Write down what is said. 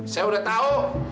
saya udah tahu